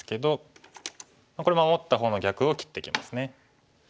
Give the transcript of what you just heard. これ守った方の逆を切ってきますね。